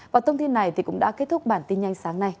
và thông tin này cũng đã kết thúc bản tin nhanh sáng nay